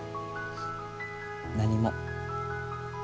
何も。